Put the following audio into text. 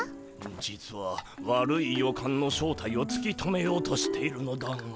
実は悪い予感の正体をつき止めようとしているのだが。